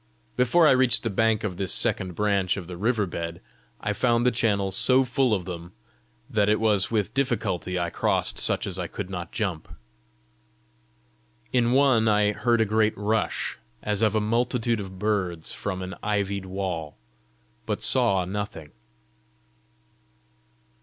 Before I reached the bank of this second branch of the river bed, I found the channels so full of them that it was with difficulty I crossed such as I could not jump. In one I heard a great rush, as of a multitude of birds from an ivied wall, but saw nothing.